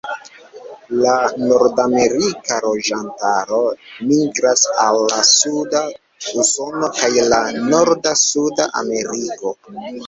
La nordamerika loĝantaro migras al la suda Usono kaj la norda Suda Ameriko.